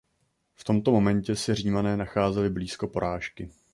V tomto momentě se Římané nacházeli blízko porážky.